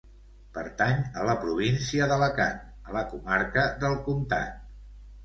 Pertany a la província d'Alacant, a la comarca del Comtat.